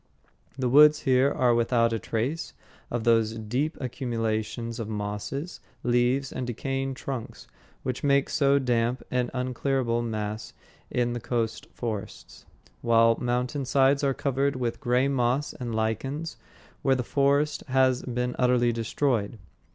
The woods here are without a trace of those deep accumulations of mosses, leaves, and decaying trunks which make so damp and unclearable mass in the coast forests. Whole mountain sides are covered with gray moss and lichens where the forest has been utterly destroyed.